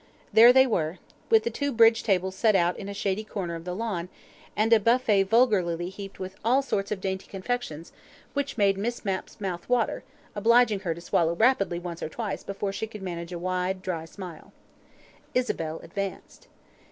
There they were, with the two bridge tables set out in a shady corner of the lawn, and a buffet vulgarly heaped with all sorts of dainty confections which made Miss Mapp's mouth water, obliging her to swallow rapidly once or twice before she could manage a wide, dry smile: Isabel advanced.